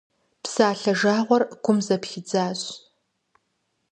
Псалъэ жагъуэр гум зэпхидзащ.